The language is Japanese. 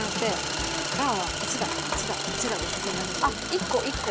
◆１個、１個？